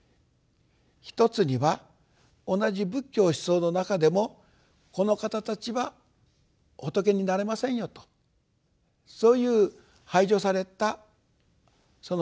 一つには同じ仏教思想の中でも「この方たちは仏になれませんよ」とそういう排除されたお方たちがあったと。